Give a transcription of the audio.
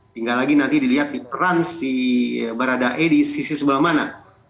tinggal lagi nanti dilihat di peran si mbak radha e di sisi sebelah mana